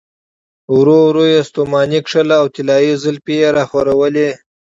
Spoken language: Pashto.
ورو ورو يې ستوماني کښله او طلايې زلفې يې راخورولې.